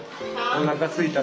おなかすいた。